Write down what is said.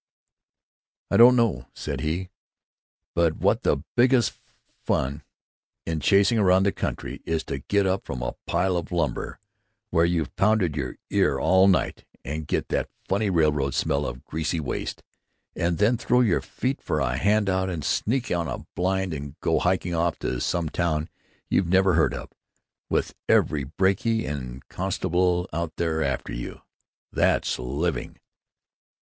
"I don't know," said he, "but what the biggest fun in chasing round the country is to get up from a pile of lumber where you've pounded your ear all night and get that funny railroad smell of greasy waste, and then throw your feet for a hand out and sneak on a blind and go hiking off to some town you've never heard of, with every brakie and constabule out after you. That's living!"